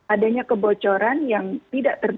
adanya kebocoran yang tidak